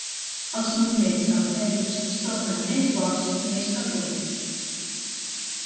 Els moviments del fetus es tornen més forts i més freqüents.